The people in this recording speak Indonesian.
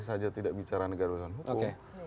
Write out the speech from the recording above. saja tidak bicara negara berdasarkan hukum